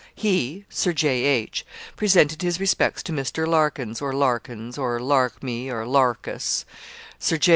He (Sir J.H.) 'presented his respects to Mr. Lark_ens_, or Lark_ins_, or Lark_me_, or Lark_us_ Sir J.